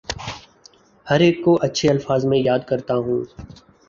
ہر ایک کو اچھے الفاظ میں یاد کرتا ہوں